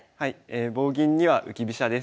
「棒銀には浮き飛車」です。